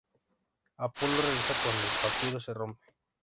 Apolo regresa cuando el papiro se rompe.